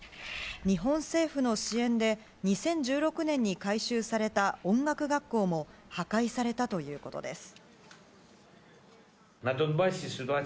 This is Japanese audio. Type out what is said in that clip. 日本政府の支援で、２０１６年に改修された音楽学校も破壊されたということです。